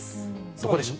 どこでしょう。